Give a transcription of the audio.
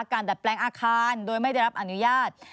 ดัดแปลงอาคารโดยไม่ได้รับอนุญาต